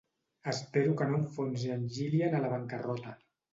Espero que no enfonsi en Jilian a la bancarrota.